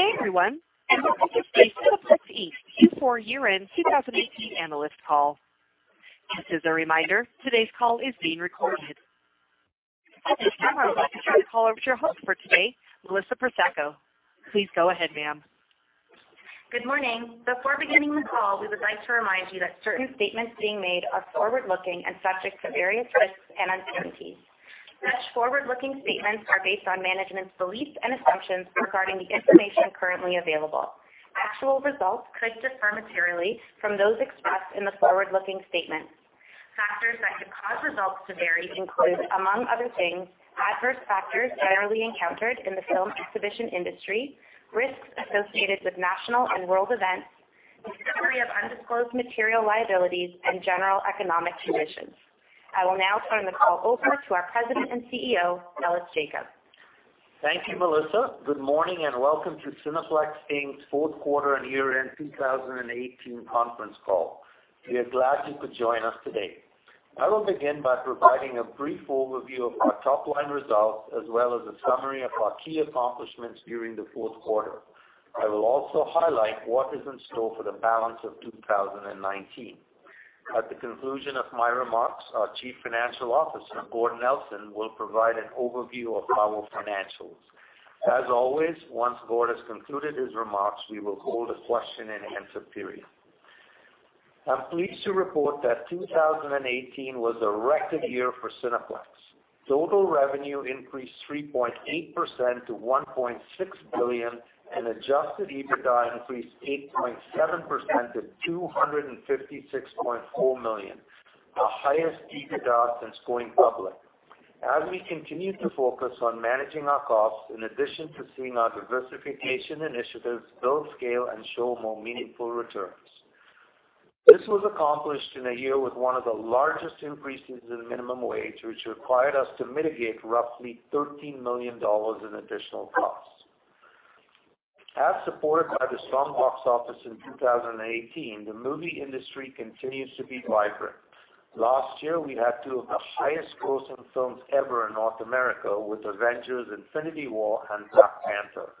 Good day everyone. Welcome to Cineplex Inc.'s Q4 year-end 2018 analyst call. This is a reminder, today's call is being recorded. At this time, I would like to turn the call over to your host for today, Melissa Prosecco. Please go ahead, ma'am. Good morning. Before beginning the call, we would like to remind you that certain statements being made are forward-looking and subject to various risks and uncertainties. Such forward-looking statements are based on management's beliefs and assumptions regarding the information currently available. Actual results could differ materially from those expressed in the forward-looking statements. Factors that could cause results to vary include, among other things, adverse factors generally encountered in the film exhibition industry, risks associated with national and world events, discovery of undisclosed material liabilities, and general economic conditions. I will now turn the call over to our President and CEO, Ellis Jacob. Thank you, Melissa. Good morning and welcome to Cineplex Inc.'s fourth quarter and year-end 2018 conference call. We are glad you could join us today. I will begin by providing a brief overview of our top-line results, as well as a summary of our key accomplishments during the fourth quarter. I will also highlight what is in store for the balance of 2019. At the conclusion of my remarks, our Chief Financial Officer, Gord Nelson, will provide an overview of our financials. As always, once Gord has concluded his remarks, we will hold a question-and-answer period. I'm pleased to report that 2018 was a record year for Cineplex. Total revenue increased 3.8% to 1.6 billion and adjusted EBITDA increased 8.7% to 256.4 million, the highest EBITDA since going public. As we continue to focus on managing our costs, in addition to seeing our diversification initiatives build scale and show more meaningful returns. This was accomplished in a year with one of the largest increases in minimum wage, which required us to mitigate roughly 13 million dollars in additional costs. As supported by the strong box office in 2018, the movie industry continues to be vibrant. Last year, we had two of the highest-grossing films ever in North America with "Avengers: Infinity War" and "Black Panther."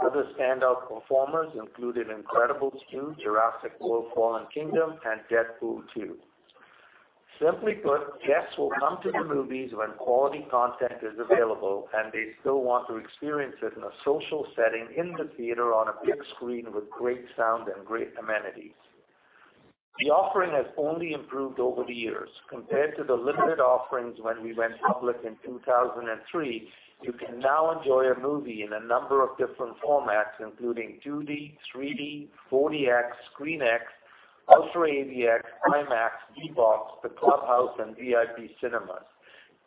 Other standout performers included "Incredibles 2," "Jurassic World: Fallen Kingdom," and "Deadpool 2." Simply put, guests will come to the movies when quality content is available, and they still want to experience it in a social setting in the theater on a big screen with great sound and great amenities. The offering has only improved over the years. Compared to the limited offerings when we went public in 2003, you can now enjoy a movie in a number of different formats, including 2D, 3D, 4DX, ScreenX, UltraAVX, IMAX, D-BOX, the Clubhouse, and VIP Cinemas.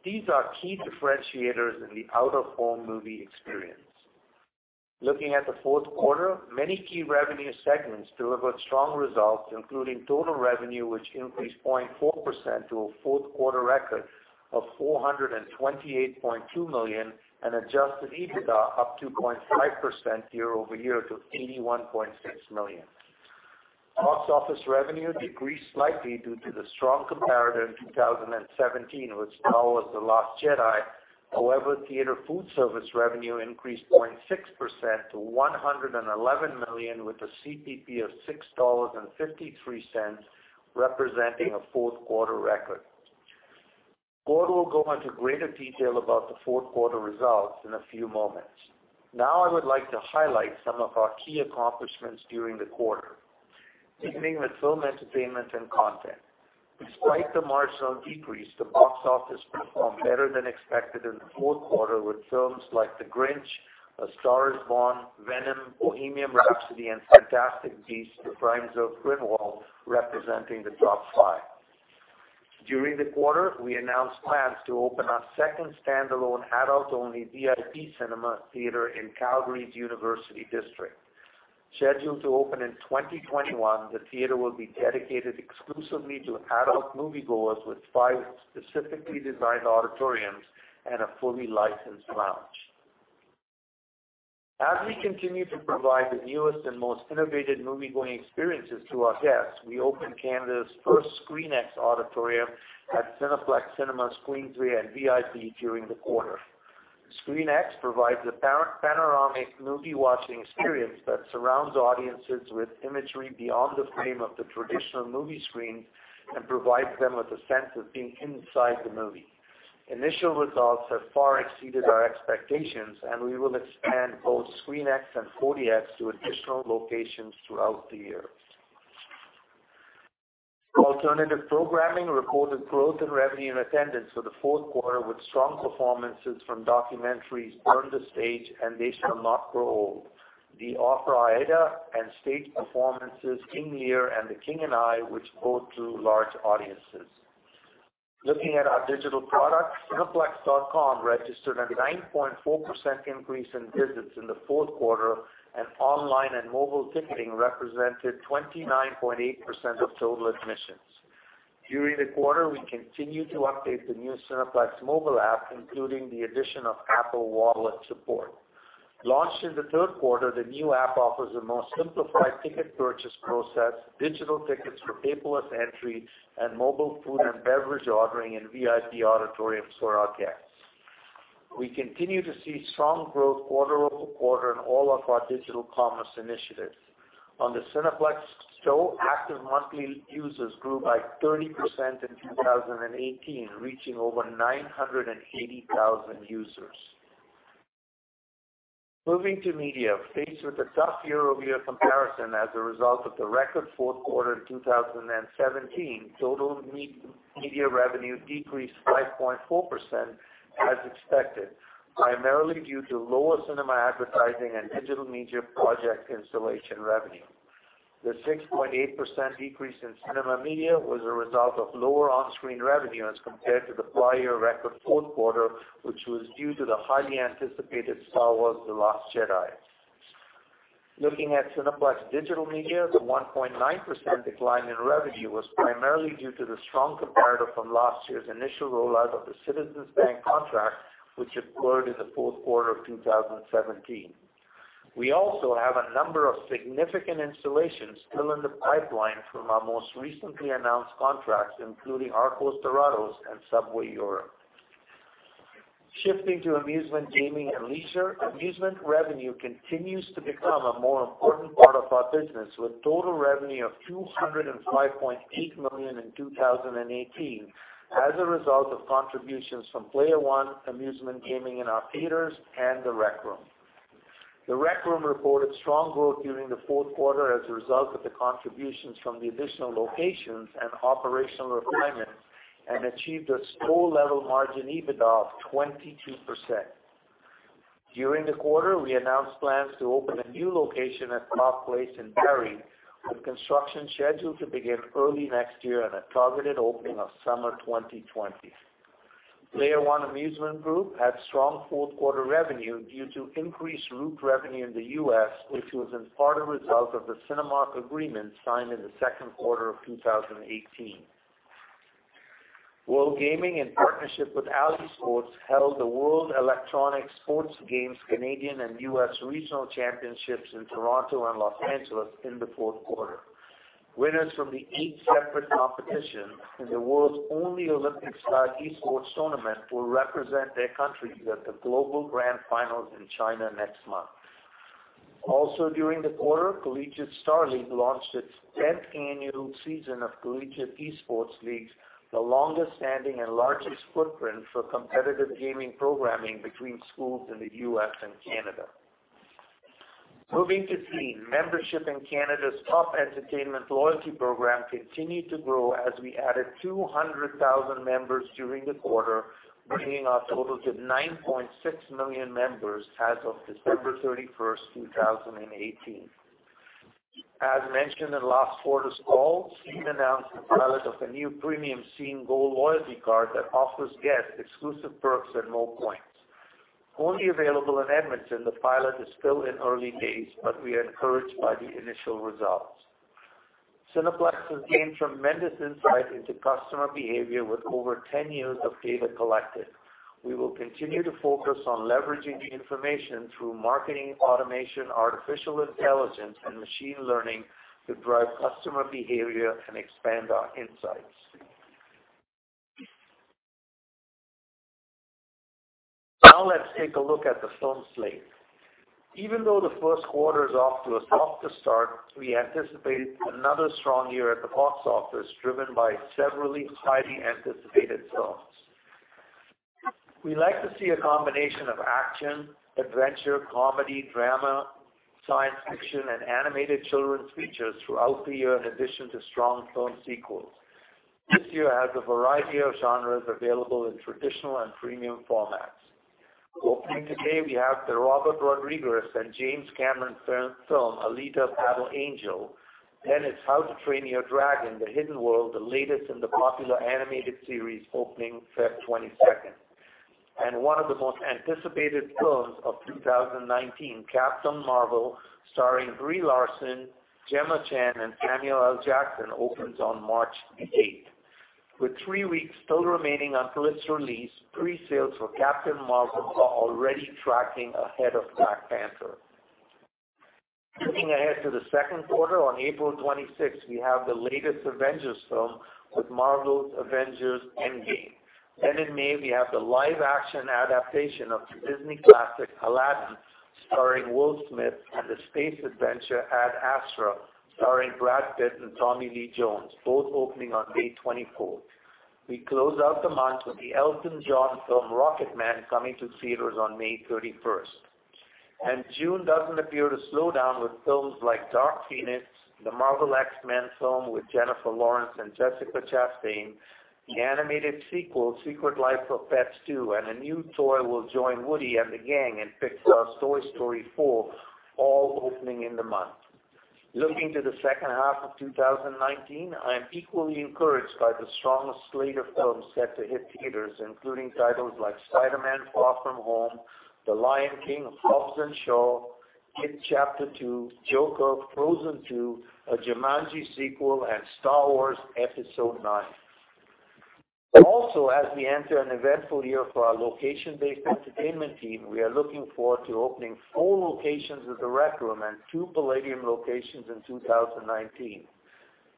These are key differentiators in the out-of-home movie experience. Looking at the fourth quarter, many key revenue segments delivered strong results, including total revenue, which increased 0.4% to a fourth-quarter record of 428.2 million, and adjusted EBITDA up 2.5% year-over-year to 81.6 million. Box office revenue decreased slightly due to the strong comparative in 2017, which saw "The Last Jedi." However, theater food service revenue increased 0.6% to 111 million with a CPP of 6.53 dollars, representing a fourth-quarter record. Gord will go into greater detail about the fourth-quarter results in a few moments. Now I would like to highlight some of our key accomplishments during the quarter. Beginning with film entertainment and content. Despite the marginal decrease, the box office performed better than expected in the fourth quarter with films like "The Grinch," "A Star Is Born," "Venom," "Bohemian Rhapsody," and "Fantastic Beasts: The Crimes of Grindelwald" representing the top five. During the quarter, we announced plans to open our second standalone adult-only VIP cinema theater in Calgary's University district. Scheduled to open in 2021, the theater will be dedicated exclusively to adult moviegoers with five specifically designed auditoriums and a fully licensed lounge. As we continue to provide the newest and most innovative movie-going experiences to our guests, we opened Canada's first ScreenX auditorium at Cineplex Cinema Queensway and VIP during the quarter. ScreenX provides a panoramic movie-watching experience that surrounds audiences with imagery beyond the frame of the traditional movie screen and provides them with a sense of being inside the movie. Initial results have far exceeded our expectations, and we will expand both ScreenX and 4DX to additional locations throughout the year. Alternative programming recorded growth in revenue and attendance for the fourth quarter with strong performances from documentaries "Burn the Stage" and "They Shall Not Grow Old," the opera "Aida," and stage performances "King Lear" and "The King and I," which pulled two large audiences. Looking at our digital products, cineplex.com registered a 9.4% increase in visits in the fourth quarter, and online and mobile ticketing represented 29.8% of total admissions. During the quarter, we continued to update the new Cineplex mobile app, including the addition of Apple Wallet support. Launched in the third quarter, the new app offers a more simplified ticket purchase process, digital tickets for paperless entry, and mobile food and beverage ordering in VIP auditoriums for our guests. We continue to see strong growth quarter-over-quarter in all of our digital commerce initiatives. On the Cineplex Store, active monthly users grew by 30% in 2018, reaching over 980,000 users. Moving to media. Faced with a tough year-over-year comparison as a result of the record fourth quarter in 2017, total media revenue decreased 5.4% as expected, primarily due to lower cinema advertising and digital media project installation revenue. The 6.8% decrease in cinema media was a result of lower on-screen revenues compared to the prior year record fourth quarter, which was due to the highly anticipated "Star Wars: The Last Jedi." Looking at Cineplex Digital Media, the 1.9% decline in revenue was primarily due to the strong comparator from last year's initial rollout of the Citizens Bank contract, which deployed in the fourth quarter of 2017. We also have a number of significant installations still in the pipeline from our most recently announced contracts, including Arcos Dorados and Subway Europe. Shifting to amusement gaming and leisure. Amusement revenue continues to become a more important part of our business, with total revenue of 205.8 million in 2018 as a result of contributions from Player One Amusement Group in our theaters and The Rec Room. The Rec Room reported strong growth during the fourth quarter as a result of the contributions from the additional locations and operational refinements, and achieved a store-level margin EBITDA of 22%. During the quarter, we announced plans to open a new location at Park Place in Barrie, with construction scheduled to begin early next year and a targeted opening of summer 2020. Player One Amusement Group had strong fourth-quarter revenue due to increased route revenue in the U.S., which was in part a result of the Cinemark agreement signed in the second quarter of 2018. WorldGaming, in partnership with AliSports, held the World Electronic Sports Games Canadian and U.S. Regional Championships in Toronto and Los Angeles in the fourth quarter. Winners from the eight separate competitions in the world's only Olympic-style e-sports tournament will represent their countries at the global grand finals in China next month. Also during the quarter, Collegiate StarLeague launched its 10th annual season of collegiate e-sports leagues, the longest standing and largest footprint for competitive gaming programming between schools in the U.S. and Canada. Moving to SCENE. Membership in Canada's top entertainment loyalty program continued to grow as we added 200,000 members during the quarter, bringing our total to 9.6 million members as of December 31st, 2018. As mentioned in last quarter's call, SCENE announced the pilot of a new premium SCENE Gold loyalty card that offers guests exclusive perks and more points. Only available in Edmonton, the pilot is still in its early days, but we are encouraged by the initial results. Cineplex has gained tremendous insight into customer behavior with over ten years of data collected. We will continue to focus on leveraging the information through marketing automation, artificial intelligence, and machine learning to drive customer behavior and expand our insights. Let's take a look at the film slate. Even though the first quarter is off to a softer start, we anticipate another strong year at the box office, driven by several highly anticipated films. We like to see a combination of action, adventure, comedy, drama, science fiction, and animated children's features throughout the year, in addition to strong film sequels. This year has a variety of genres available in traditional and premium formats. Opening today, we have the Robert Rodriguez and James Cameron film, "Alita: Battle Angel." It's "How to Train Your Dragon: The Hidden World," the latest in the popular animated series, opening February 22nd. One of the most anticipated films of 2019, "Captain Marvel," starring Brie Larson, Gemma Chan, and Samuel L. Jackson, opens on March 8th. With three weeks still remaining until its release, pre-sales for "Captain Marvel" are already tracking ahead of "Black Panther." Moving ahead to the second quarter on April 26th, we have the latest Avengers film with Marvel's "Avengers: Endgame." In May, we have the live-action adaptation of the Disney classic, "Aladdin," starring Will Smith, and the space adventure "Ad Astra" starring Brad Pitt and Tommy Lee Jones, both opening on May 24th. We close out the month with the Elton John film, "Rocketman," coming to theaters on May 31st. June doesn't appear to slow down with films like "Dark Phoenix," the Marvel X-Men film with Jennifer Lawrence and Jessica Chastain, the animated sequel, "The Secret Life of Pets 2," and a new toy will join Woody and the gang in Pixar's "Toy Story 4," all opening in the month. Looking to the second half of 2019, I am equally encouraged by the strong slate of films set to hit theaters, including titles like "Spider-Man: Far From Home," "The Lion King," "Hobbs & Shaw," "It Chapter Two," "Joker," "Frozen II," a Jumanji sequel, and "Star Wars: Episode 9." As we enter an eventful year for our location-based entertainment team, we are looking forward to opening four locations of The Rec Room and two Playdium locations in 2019.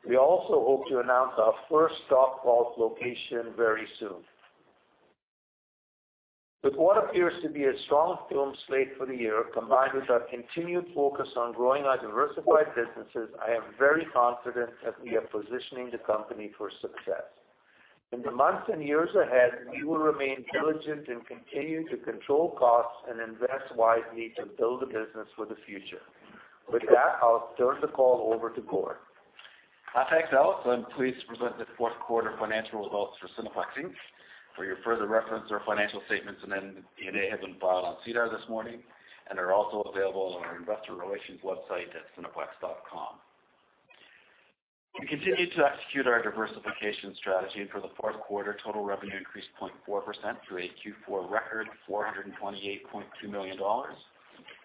We also hope to announce our first Dark Vault location very soon. With what appears to be a strong film slate for the year, combined with our continued focus on growing our diversified businesses, I am very confident that we are positioning the company for success. In the months and years ahead, we will remain diligent and continue to control costs and invest wisely to build the business for the future. With that, I'll turn the call over to Gord. Thanks, Ellis. Please present the fourth quarter financial results for Cineplex Inc. For your further reference, our financial statements and MD&A have been filed on SEDAR this morning and are also available on our investor relations website at cineplex.com. We continued to execute our diversification strategy for the fourth quarter. Total revenue increased 0.4% through a Q4 record, 428.2 million dollars,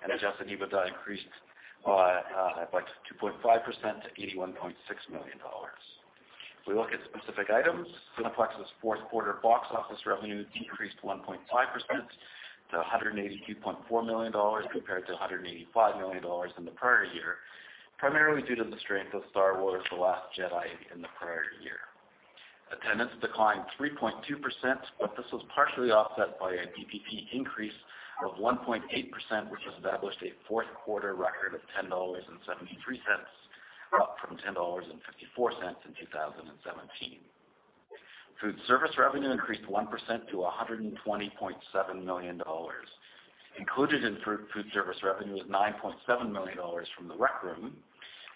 and adjusted EBITDA increased by 2.5% to 81.6 million dollars. If we look at specific items, Cineplex's fourth quarter box office revenue decreased 1.5% to 182.4 million dollars compared to 185 million dollars in the prior year, primarily due to the strength of "Star Wars: The Last Jedi" in the prior year. Attendance declined 3.2%, but this was partially offset by a DPP increase of 1.8%, which established a fourth-quarter record of 10.73 dollars, up from 10.54 dollars in 2017. Food service revenue increased 1% to 120.7 million dollars. Included in food service revenue is 9.7 million dollars from The Rec Room.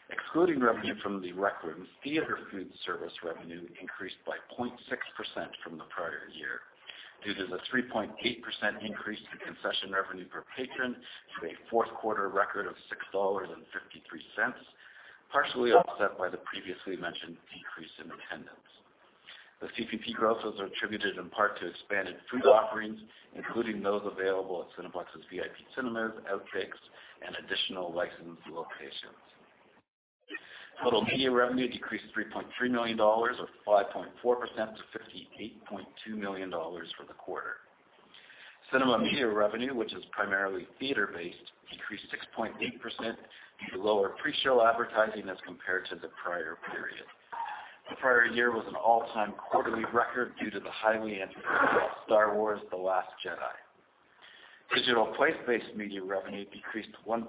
Excluding revenue from The Rec Room, theater food service revenue increased by 0.6% from the prior year, due to the 3.8% increase in concession revenue per patron to a fourth-quarter record of 6.53 dollars, partially offset by the previously mentioned decrease in attendance. The CPP grosses are attributed in part to expanded food offerings, including those available at Cineplex's VIP Cinemas, Outtakes, and additional licensed locations. Total media revenue decreased 3.3 million dollars or 5.4% to 58.2 million dollars for the quarter. Cinema media revenue, which is primarily theater-based, decreased 6.8% due to lower pre-show advertising as compared to the prior period. The prior year was an all-time quarterly record due to the highly anticipated Star Wars: The Last Jedi. Digital place-based media revenue decreased 1.9%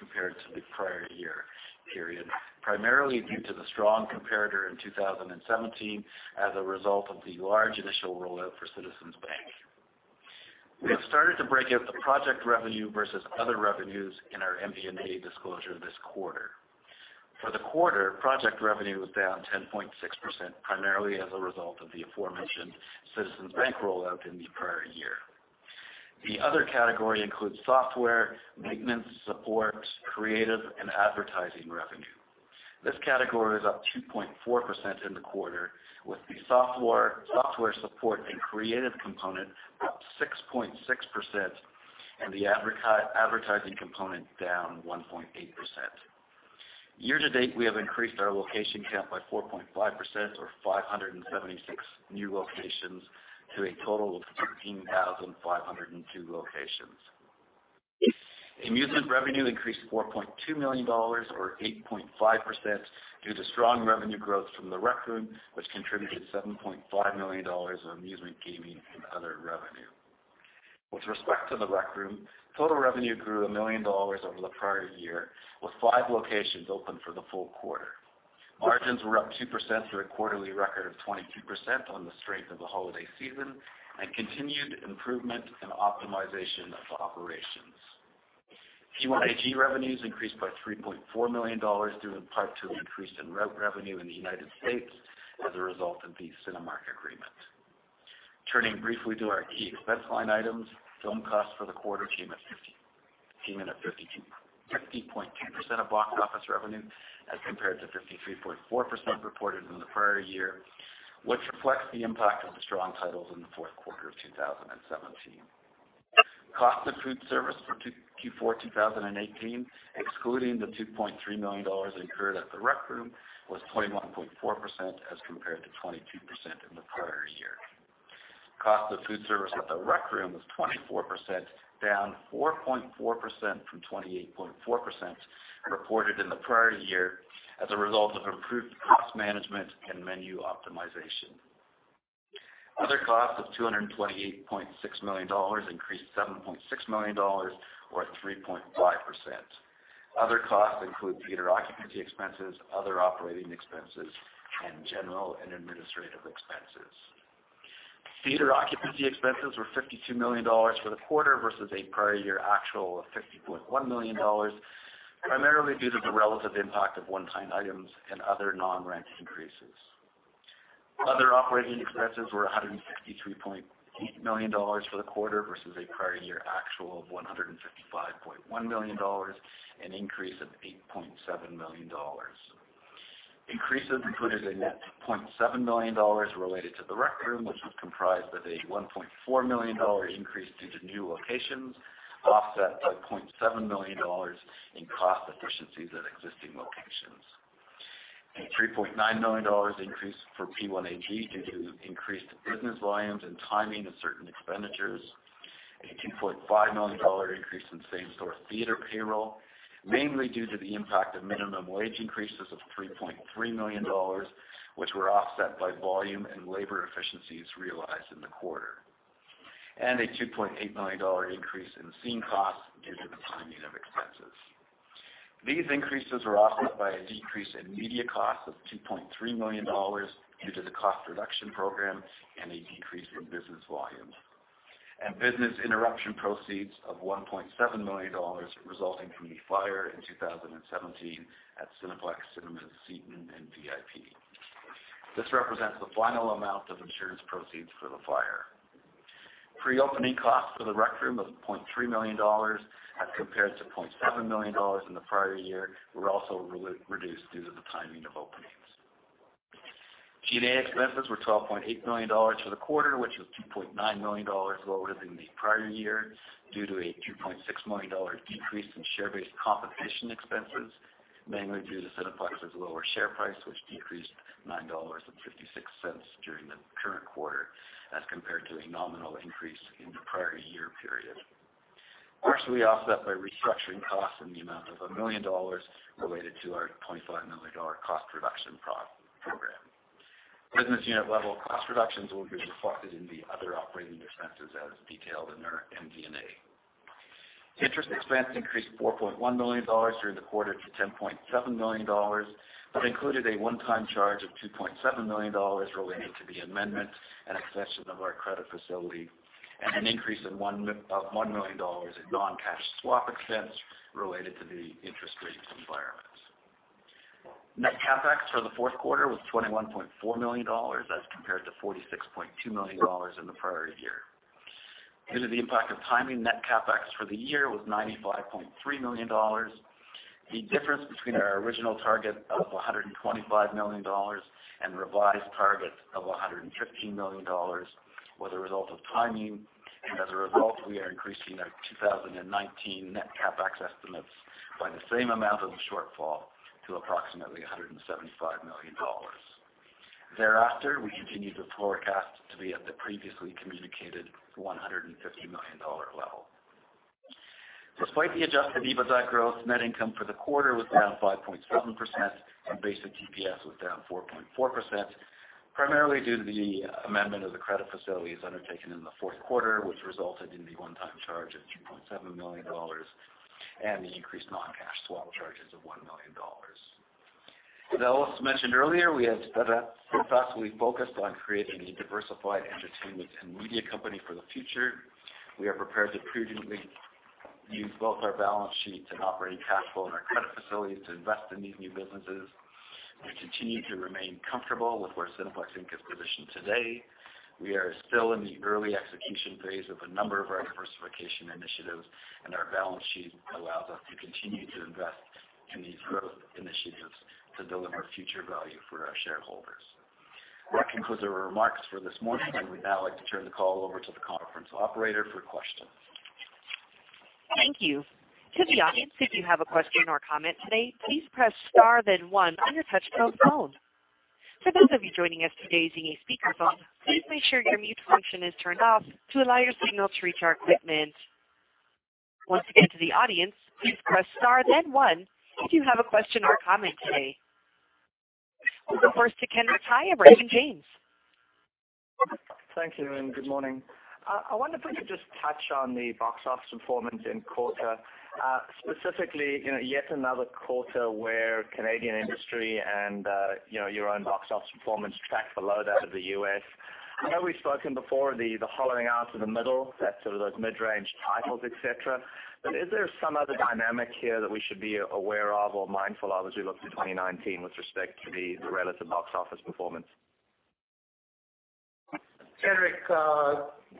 compared to the prior year period, primarily due to the strong comparator in 2017 as a result of the large initial rollout for Citizens Bank. We have started to break out the project revenue versus other revenues in our MD&A disclosure this quarter. For the quarter, project revenue was down 10.6%, primarily as a result of the aforementioned Citizens Bank rollout in the prior year. The other category includes software, maintenance, support, creative, and advertising revenue. This category is up 2.4% in the quarter with the software support and creative component up 6.6%, and the advertising component down 1.8%. Year-to-date, we have increased our location count by 4.5% or 576 new locations to a total of 13,502 locations. Amusement revenue increased 4.2 million dollars or 8.5% due to strong revenue growth from The Rec Room, which contributed 7.5 million dollars of amusement gaming and other revenue. With respect to The Rec Room, total revenue grew 1 million dollars over the prior year, with five locations open for the full quarter. Margins were up 2% to a quarterly record of 22% on the strength of the holiday season and continued improvement and optimization of operations. P1AG revenues increased by 3.4 million dollars, due in part to an increase in revenue in the United States as a result of the Cinemark agreement. Turning briefly to our key expense line items, film costs for the quarter came in at 50.2% of box office revenue as compared to 53.4% reported in the prior year, which reflects the impact of the strong titles in the fourth quarter of 2017. Cost of food service for Q4 2018, excluding the 2.3 million dollars incurred at The Rec Room, was 21.4% as compared to 22% in the prior year. Cost of food service at The Rec Room was 24%, down 4.4% from 28.4% reported in the prior year as a result of improved cost management and menu optimization. Other costs of 228.6 million dollars increased 7.6 million dollars or 3.5%. Other costs include theater occupancy expenses, other operating expenses, and general and administrative expenses. Theater occupancy expenses were 52 million dollars for the quarter versus a prior year actual of 50.1 million dollars, primarily due to the relative impact of one-time items and other non-rent increases. Other operating expenses were 153.8 million dollars for the quarter versus a prior year actual of 155.1 million dollars, an increase of 8.7 million dollars. Increases included a net 0.7 million dollars related to The Rec Room, which was comprised of a 1.4 million dollar increase due to new locations, offset by 0.7 million dollars in cost efficiencies at existing locations. 3.9 million dollars increase for P1AG due to increased business volumes and timing of certain expenditures. 2.5 million dollar increase in same-store theater payroll, mainly due to the impact of minimum wage increases of 3.3 million dollars, which were offset by volume and labor efficiencies realized in the quarter. 2.8 million dollar increase in SCENE costs due to the timing of expenses. These increases were offset by a decrease in media costs of 2.3 million dollars due to the cost reduction program and a decrease from business volume. Business interruption proceeds of 1.7 million dollars resulting from the fire in 2017 at Cineplex Cinemas Seton and VIP. This represents the final amount of insurance proceeds for the fire. Pre-opening costs for The Rec Room of 0.3 million dollars as compared to 0.7 million dollars in the prior year were also reduced due to the timing of openings. G&A expenses were 12.8 million dollars for the quarter, which was 2.9 million dollars lower than the prior year due to a 2.6 million dollars decrease in share-based compensation expenses, mainly due to Cineplex's lower share price, which decreased 9.56 dollars during the current quarter as compared to a nominal increase in the prior year period. Partially offset by restructuring costs in the amount of 1 million dollars related to our 25 million dollar cost reduction program. Business unit-level cost reductions will be reflected in the other operating expenses as detailed in our MD&A. Interest expense increased 4.1 million dollars during the quarter to 10.7 million dollars. That included a one-time charge of 2.7 million dollars related to the amendment and accession of our credit facility and an increase of 1 million dollars in non-cash swap expense related to the interest rates environment. Net CapEx for the fourth quarter was 21.4 million dollars as compared to 46.2 million dollars in the prior year. Due to the impact of timing, net CapEx for the year was 95.3 million dollars. The difference between our original target of 125 million dollars and revised target of 115 million dollars was a result of timing, as a result, we are increasing our 2019 net CapEx estimates by the same amount of the shortfall to approximately 175 million dollars. We continue to forecast to be at the previously communicated 150 million dollar level. Despite the adjusted EBITDA growth, net income for the quarter was down 5.7% and basic EPS was down 4.4%, primarily due to the amendment of the credit facilities undertaken in the fourth quarter, which resulted in the one-time charge of 3.7 million dollars and the increased non-cash swap charges of 1 million dollars. I also mentioned earlier, we have steadfastly focused on creating a diversified entertainment and media company for the future. We are prepared to prudently use both our balance sheets and operating cash flow and our credit facilities to invest in these new businesses. We continue to remain comfortable with where Cineplex Inc. is positioned today. We are still in the early execution phase of a number of our diversification initiatives, our balance sheet allows us to continue to invest in these growth initiatives to deliver future value for our shareholders. That concludes our remarks for this morning. We'd now like to turn the call over to the conference operator for questions. Thank you. To the audience, if you have a question or comment today, please press star then one on your touchtone phone. For those of you joining us today using a speakerphone, please make sure your mute function is turned off to allow your signal to reach our equipment. Once again to the audience, please press star then one if you have a question or comment today. We'll go first to Henrik Thai of Raymond James. Thank you. Good morning. I wonder if we could just touch on the box office performance in quarter. Specifically, yet another quarter where Canadian industry and your own box office performance tracked below that of the U.S. I know we've spoken before, the hollowing out of the middle, that sort of those mid-range titles, et cetera. Is there some other dynamic here that we should be aware of or mindful of as we look to 2019 with respect to the relative box office performance? Henrik,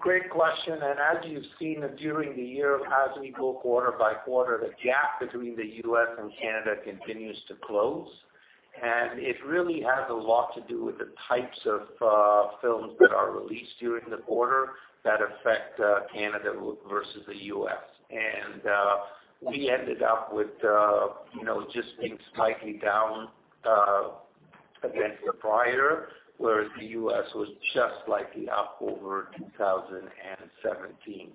great question. As you've seen during the year, as we go quarter by quarter, the gap between the U.S. and Canada continues to close. It really has a lot to do with the types of films that are released during the quarter that affect Canada versus the U.S. We ended up with just being slightly down against the prior, whereas the U.S. was just slightly up over 2017.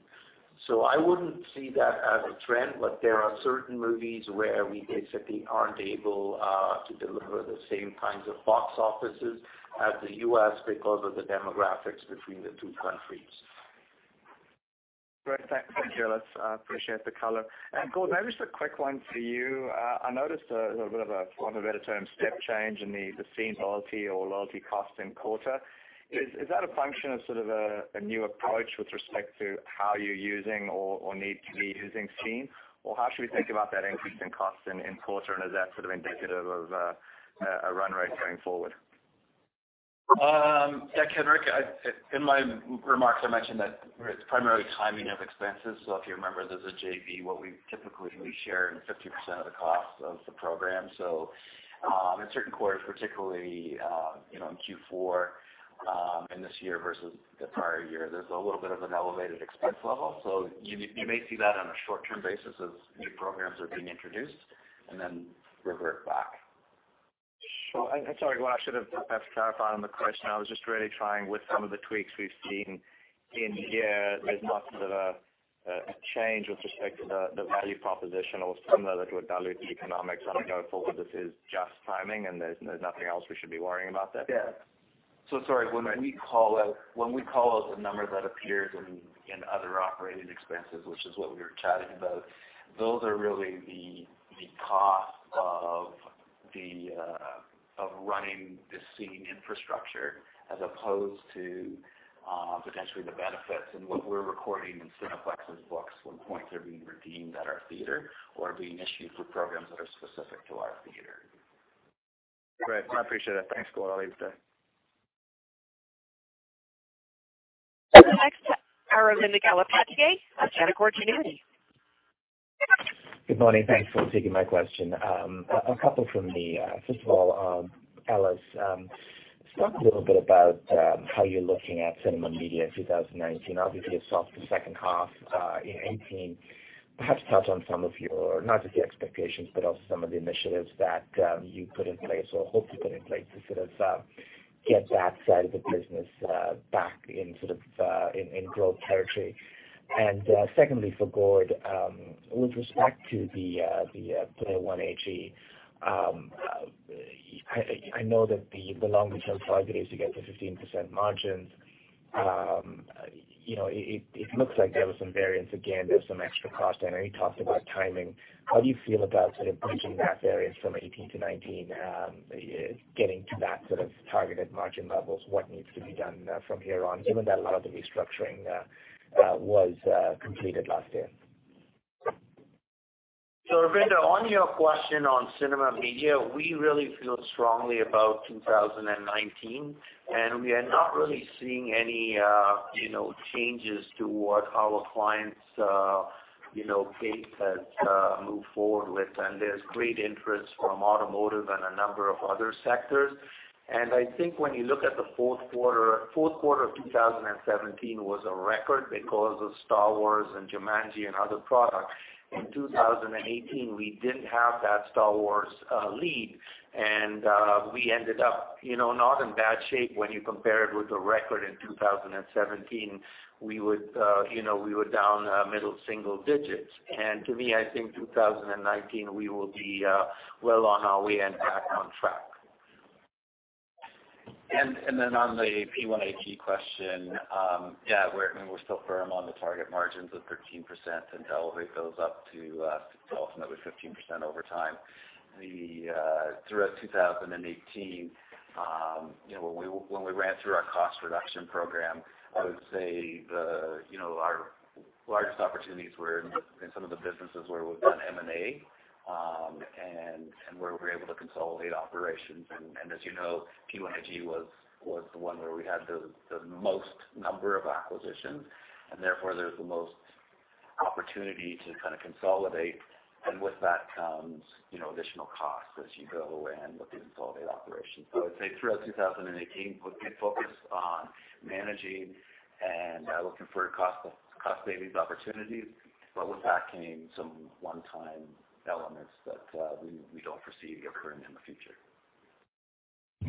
I wouldn't see that as a trend, but there are certain movies where we basically aren't able to deliver the same kinds of box offices as the U.S. because of the demographics between the two countries. Great. Thank you, Ellis. I appreciate the color. Gord, maybe just a quick one for you. I noticed a little bit of a, for want of a better term, step change in the SCENE loyalty or loyalty cost in quarter. Is that a function of sort of a new approach with respect to how you're using or need to be using SCENE? How should we think about that increase in cost in quarter, and is that sort of indicative of a run rate going forward? Yeah, Henrik, in my remarks, I mentioned that it's primarily timing of expenses. If you remember, there's a JV, we typically share 50% of the cost of the program. In certain quarters, particularly in Q4 in this year versus the prior year, there's a little bit of an elevated expense level. You may see that on a short-term basis as new programs are being introduced and then revert back. Sure. Sorry, Gord, I should have perhaps clarified on the question. I was just really trying with some of the tweaks we've seen in here, there's not sort of a change with respect to the value proposition or something that would dilute the economics. I'm going forward this is just timing, there's nothing else we should be worrying about then? Yeah. Sorry, when we call out the number that appears in other operating expenses, which is what we were chatting about, those are really the cost of running the SCENE infrastructure as opposed to potentially the benefits and what we're recording in Cineplex's books when points are being redeemed at our theater or being issued for programs that are specific to our theater. Great. I appreciate it. Thanks, Gord. I'll leave it there. Next up, Aravinda Galappatthige, Canaccord Genuity. Good morning. Thanks for taking my question. A couple from me. First of all, Ellis, talk a little bit about how you're looking at Cineplex Media in 2019. Obviously, a softer second half in 2018. Perhaps touch on some of your, not just the expectations, but also some of the initiatives that you put in place or hope to put in place to sort of get that side of the business back in growth territory. Secondly, for Gord, with respect to the P1AG, I know that the long-term target is to get to 15% margins. It looks like there was some variance again, there's some extra cost, I know you talked about timing. How do you feel about sort of bridging that variance from 2018 to 2019, getting to that sort of targeted margin levels? What needs to be done from here on, given that a lot of the restructuring was completed last year? Arvind, on your question on Cineplex Media, we really feel strongly about 2019, we are not really seeing any changes to what our clients base has moved forward with. There's great interest from automotive and a number of other sectors. I think when you look at the fourth quarter, fourth quarter of 2017 was a record because of Star Wars and Jumanji and other products. In 2018, we didn't have that Star Wars lead, we ended up not in bad shape when you compare it with the record in 2017. We were down middle single digits. To me, I think 2019 we will be well on our way and back on track. On the P1AG question, yeah, we're still firm on the target margins of 13% and to elevate those up to ultimately 15% over time. Throughout 2018, when we ran through our cost reduction program, I would say the largest opportunities were in some of the businesses where we've done M&A, and where we were able to consolidate operations. As you know, P1AG was the one where we had the most number of acquisitions, and therefore there was the most opportunity to kind of consolidate. With that comes additional costs as you go and look to consolidate operations. I would say throughout 2018, we've been focused on managing and looking for cost savings opportunities. With that came some one-time elements that we don't foresee occurring in the future.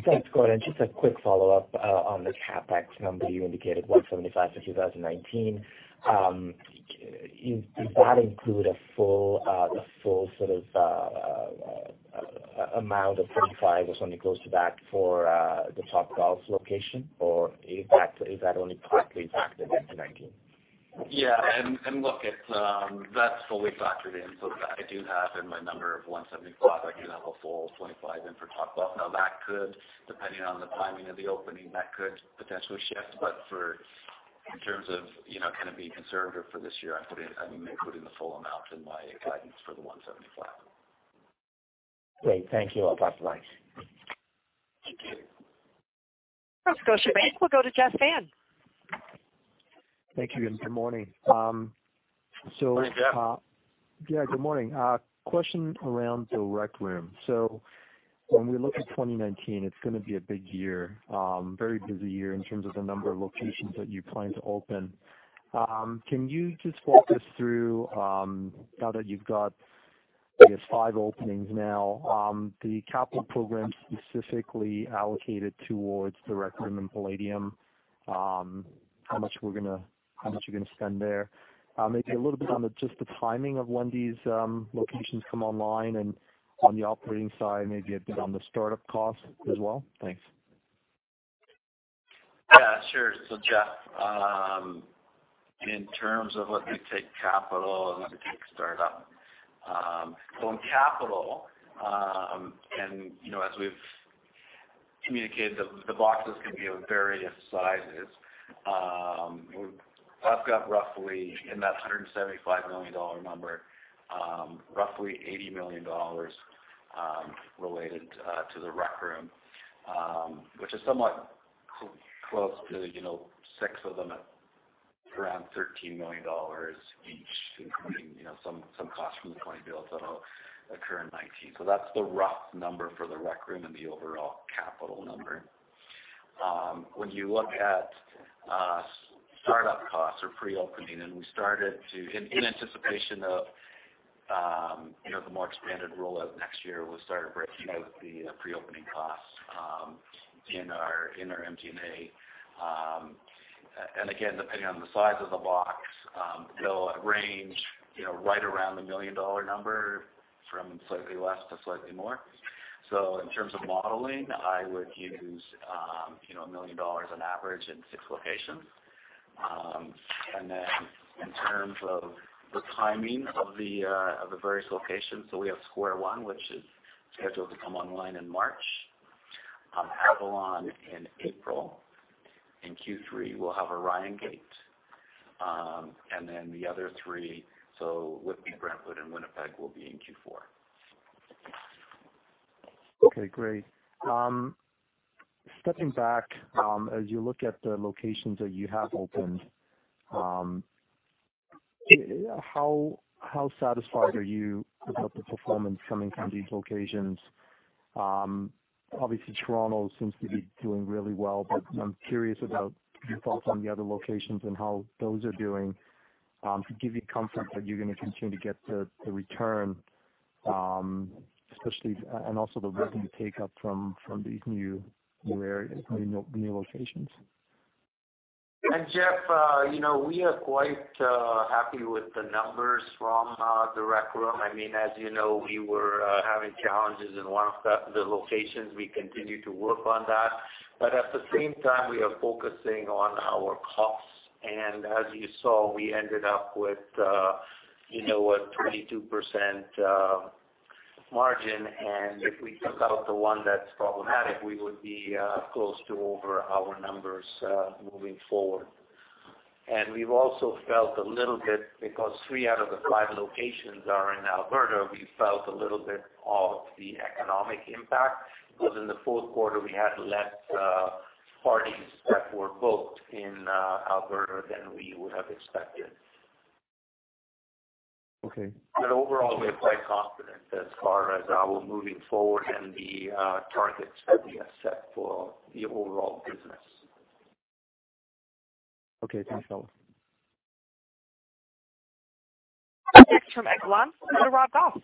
Thanks, Gord. Just a quick follow-up on the CapEx number you indicated, 175 for 2019. Does that include a full sort of amount of 25 or something close to that for the Topgolf location? Is that only partly factored into 2019? Yeah. Look, that's fully factored in. I do have in my number of 175, I do have a full 25 in for Topgolf. Now that could, depending on the timing of the opening, that could potentially shift. In terms of being conservative for this year, I'm including the full amount in my guidance for the 175. Great. Thank you. I'll pass the mic. Thank you. Let's go to Jeff. We'll go to Jeff Fan. Thank you, and good morning. Thanks, Jeff. Good morning. Question around The Rec Room. When we look at 2019, it's going to be a big year, very busy year in terms of the number of locations that you plan to open. Can you just walk us through, now that you've got, I guess, five openings now, the capital program specifically allocated towards The Rec Room and Playdium, how much you're going to spend there? Maybe a little bit on just the timing of when these locations come online and on the operating side, maybe a bit on the startup costs as well. Thanks. Yeah, sure. Jeff, in terms of let me take capital and let me take startup. On capital, as we've communicated, the boxes can be of various sizes. I've got roughly in that 175 million dollar number, roughly 80 million dollars related to The Rec Room, which is somewhat close to six of them at around 13 million dollars each, including some costs from the 20 bills that'll occur in 2019. That's the rough number for The Rec Room and the overall capital number. When you look at startup costs or pre-opening, we started to, in anticipation of the more expanded rollout next year, we started breaking out the pre-opening costs in our MD&A. Again, depending on the size of the box, they'll range right around the million-dollar number, from slightly less to slightly more. In terms of modeling, I would use 1 million dollars on average in six locations. In terms of the timing of the various locations, we have Square One, which is scheduled to come online in March, Avalon in April. In Q3, we'll have Orion Gate, the other three, Whitby, Brentwood, and Winnipeg, will be in Q4. Okay, great. Stepping back, as you look at the locations that you have opened, how satisfied are you about the performance coming from these locations? Obviously, Toronto seems to be doing really well, but I'm curious about your thoughts on the other locations and how those are doing to give you confidence that you're going to continue to get the return, and also the booking take-up from these new areas, new locations. Jeff, we are quite happy with the numbers from The Rec Room. As you know, we were having challenges in one of the locations. We continue to work on that. At the same time, we are focusing on our costs. As you saw, we ended up with a 22% margin, and if we took out the one that's problematic, we would be close to over our numbers moving forward. We've also felt a little bit, because three out of the five locations are in Alberta, we felt a little bit of the economic impact, because in the fourth quarter, we had less parties that were booked in Alberta than we would have expected. Okay. Overall, we're quite confident as far as our moving forward and the targets that we have set for the overall business. Okay. Thanks, Ellis. Next from Echelon, [Anulog Ahluwalia].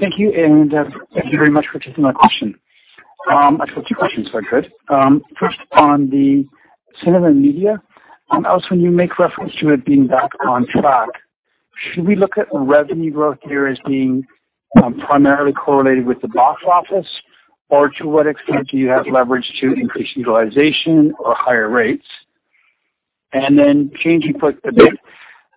Thank you, and thank you very much for taking my question. Actually, two questions if I could. First, on the Cineplex Media, when you make reference to it being back on track, should we look at revenue growth here as being primarily correlated with the box office, or to what extent do you have leverage to increase utilization or higher rates? Changing foot a bit,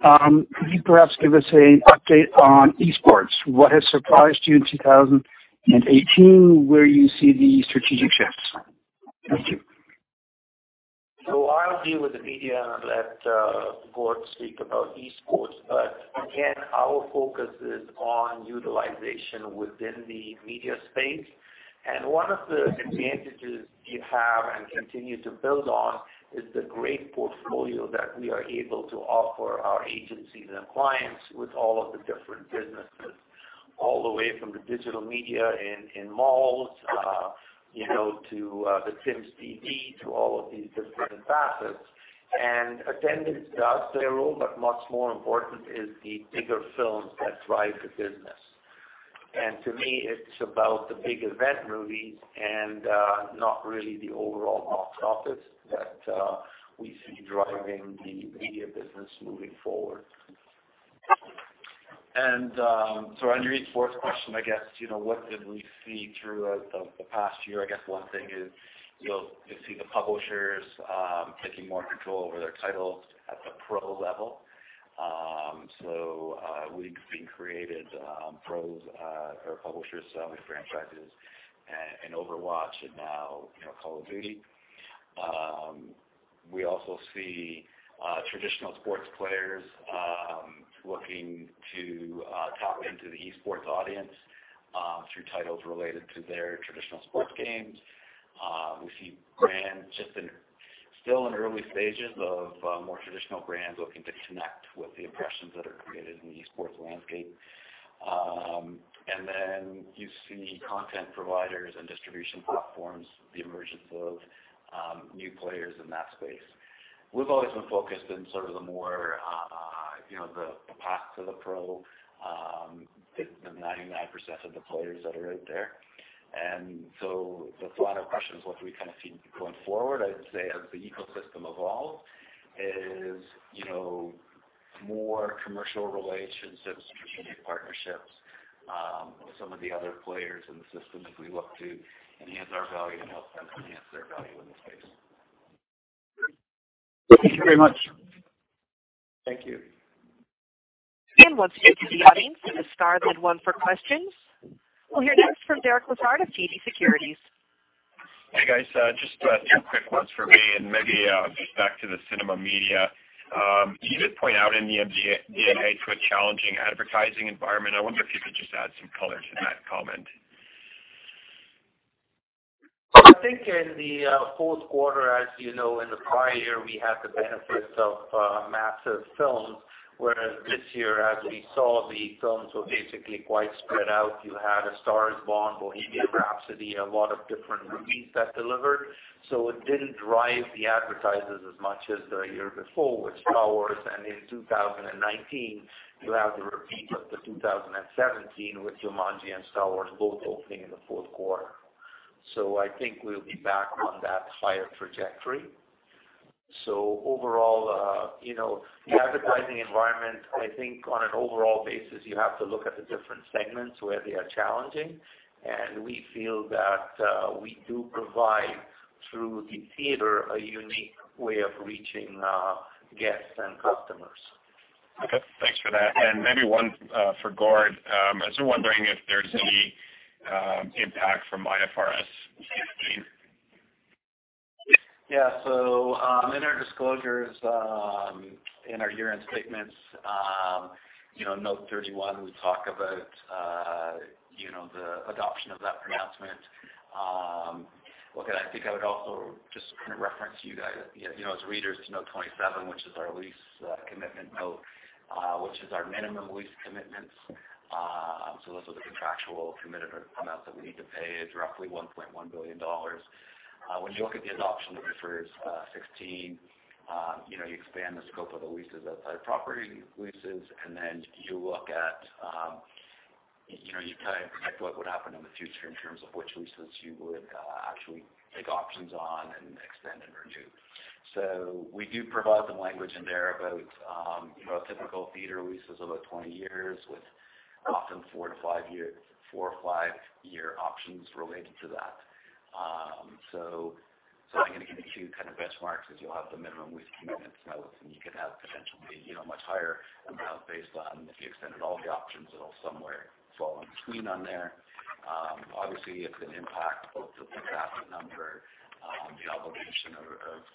could you perhaps give us an update on esports? What has surprised you in 2018, where you see the strategic shifts? Thank you. I'll deal with the media and let Gord speak about esports. Again, our focus is on utilization within the media space. One of the advantages we have and continue to build on is the great portfolio that we are able to offer our agencies and clients with all of the different businesses, all the way from the Cineplex Digital Media in malls, to the Cineplex Media, to all of these different facets. Attendance does play a role, but much more important is the bigger films that drive the business. To me, it's about the big event movies and not really the overall box office that we see driving the media business moving forward. On your esports question, what did we see throughout the past year? I guess one thing is you'll see the publishers taking more control over their titles at the pro level. We've been created pros or publishers selling franchises in Overwatch and now Call of Duty. We also see traditional sports players looking to tap into the esports audience through titles related to their traditional sports games. We see brands still in early stages of more traditional brands looking to connect with the impressions that are created in the esports landscape. You see content providers and distribution platforms, the emergence of new players in that space. We've always been focused in sort of the more, the path to the pro, the 99% of the players that are out there. The follow-up question is what we kind of see going forward, I'd say as the ecosystem evolves is more commercial relationships, strategic partnerships with some of the other players in the system as we look to enhance our value and help them enhance their value in the space. Thank you very much. Thank you. Once again to the audience, hit star then one for questions. We'll hear next from Derek Lessard of TD Securities. Hey, guys. Just two quick ones for me. Maybe just back to the Cineplex Media. You did point out in the MD&A to a challenging advertising environment. I wonder if you could just add some color to that comment. I think in the fourth quarter, as you know, in the prior year, we had the benefits of massive films, whereas this year, as we saw, the films were basically quite spread out. You had A Star Is Born, Bohemian Rhapsody, a lot of different movies that delivered. It didn't drive the advertisers as much as the year before with Star Wars. In 2019, you have the repeat of the 2017 with Jumanji and Star Wars both opening in the fourth quarter. I think we'll be back on that higher trajectory. Overall, the advertising environment, I think on an overall basis, you have to look at the different segments where they are challenging, and we feel that we do provide, through the theater, a unique way of reaching guests and customers. Okay, thanks for that. Maybe one for Gord. I was wondering if there's any impact from IFRS 16. Yeah. In our disclosures, in our year-end statements, note 31, we talk about the adoption of that pronouncement. Look, I think I would also just reference to you guys as readers to note 27, which is our lease commitment note, which is our minimum lease commitments. Those are the contractual committed amounts that we need to pay. It's roughly 1.1 billion dollars. When you look at the adoption of IFRS 16, you expand the scope of the leases outside property leases, and then you protect what would happen in the future in terms of which leases you would actually take options on and extend and renew. We do provide some language in there about typical theater leases, about 20 years with often four or five-year options related to that. I'm going to give you two benchmarks as you'll have the minimum lease commitment notes, and you could have potentially much higher amounts based on if you extended all the options, it'll somewhere fall in between on there. Obviously, it's an impact both to the asset number, the obligation of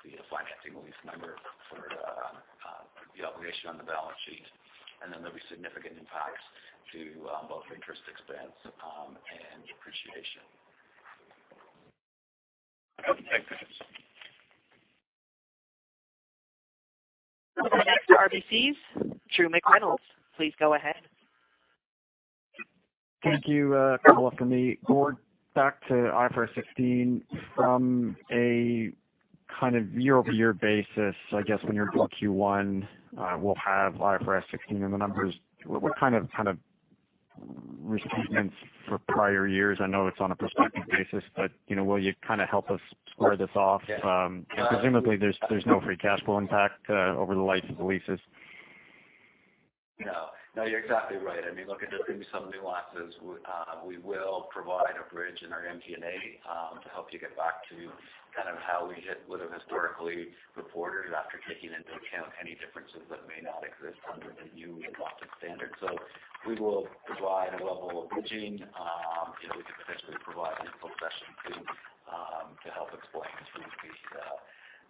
the financing lease number for the obligation on the balance sheet, and then there'll be significant impacts to both interest expense and depreciation. Okay, thanks. Next, RBC's Drew McReynolds. Please go ahead. Thank you. Couple for me. Gord, back to IFRS 16. From a kind of year-over-year basis, I guess when you're doing Q1, we'll have IFRS 16 in the numbers. What kind of restatements for prior years? I know it's on a prospective basis, but will you help us square this off? Yes. Presumably, there's no free cash flow impact over the life of the leases. You're exactly right. I mean, look, there's going to be some nuances. We will provide a bridge in our MD&A to help you get back to kind of how we hit what historically reported, after taking into account any differences that may not exist under the new adopted standard. We will provide a level of bridging. We could potentially provide an info session too to help explain through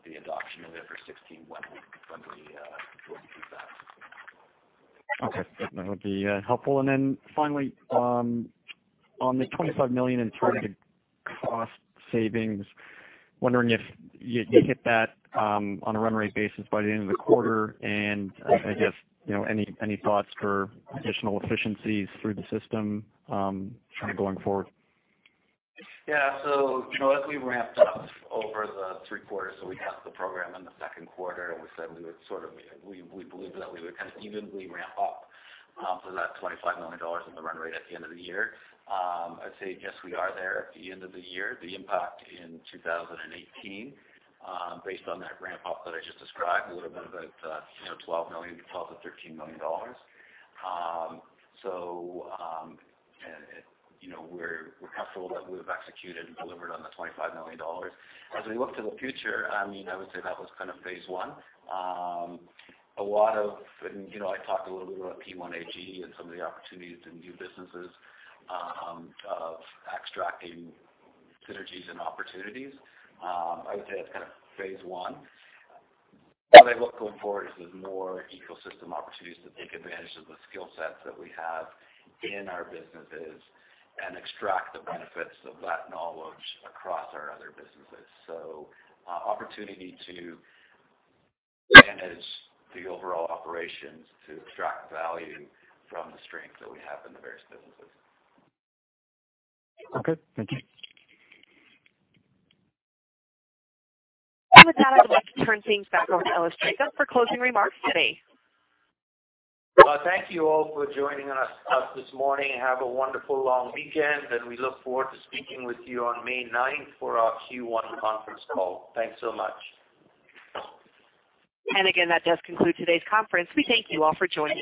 the adoption of IFRS 16 when we go through that. Okay. That would be helpful. Finally, on the 25 million in targeted cost savings, wondering if you hit that on a run-rate basis by the end of the quarter and I guess any thoughts for additional efficiencies through the system going forward? As we ramped up over the three quarters, so we passed the program in the second quarter, and we said we believe that we would kind of evenly ramp up to that 25 million dollars in the run rate at the end of the year. I'd say yes, we are there at the end of the year. The impact in 2018, based on that ramp up that I just described, would've been about 12 million-13 million dollars. We're comfortable that we've executed and delivered on the 25 million dollars. As we look to the future, I would say that was kind of phase one. I talked a little bit about P1AG and some of the opportunities in new businesses of extracting synergies and opportunities. I would say that's kind of phase one. As I look going forward, there's more ecosystem opportunities to take advantage of the skill sets that we have in our businesses and extract the benefits of that knowledge across our other businesses. Opportunity to manage the overall operations to extract value from the strengths that we have in the various businesses. Okay. Thank you. With that, I'd like to turn things back over to Ellis Jacob for closing remarks today. Thank you all for joining us this morning. Have a wonderful long weekend, and we look forward to speaking with you on May 9th for our Q1 conference call. Thanks so much. Again, that does conclude today's conference. We thank you all for joining.